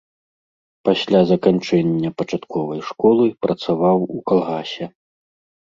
Пасля заканчэння пачатковай школы працаваў у калгасе.